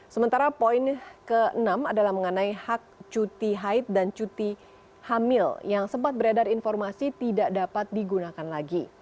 sementara poin ke enam adalah mengenai hak cuti haid dan cuti hamil yang sempat beredar informasi tidak dapat digunakan lagi